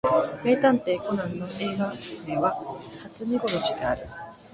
名探偵コナンの映画名は初見殺しである